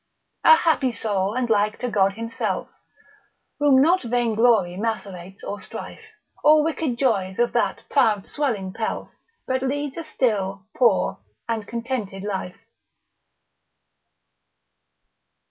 A happy soul, and like to God himself, Whom not vain glory macerates or strife. Or wicked joys of that proud swelling pelf, But leads a still, poor, and contented life.